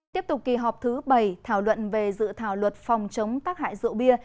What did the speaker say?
tiếp tục kỳ họp thứ bảy thảo luận về dự thảo luật phòng chống tác hại rượu bia